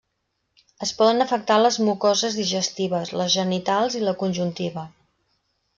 Es poden afectar les mucoses digestives, les genitals i la conjuntiva.